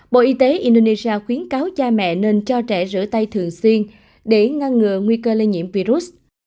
bộ y tế indonesia khuyến cáo cha mẹ nên cho trẻ rửa tay thường xuyên để ngăn ngừa nguy cơ lây nhiễm virus